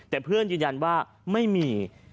แต่เพื่อนยืนยันว่าไม่มี